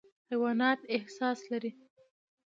حیوانات احساس لري.